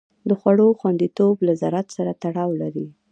د خوړو خوندیتوب له زراعت سره تړاو لري.